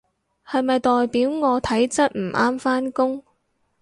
係咪代表我體質唔啱返工？